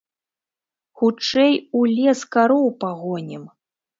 Хутчэй у лес кароў пагонім!